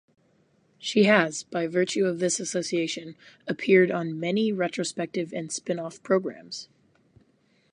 She has, by virtue of this association, appeared on many retrospective and spin-off programmes.